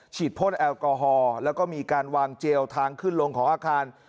พ่นแอลกอฮอล์แล้วก็มีการวางเจลทางขึ้นลงของอาคาร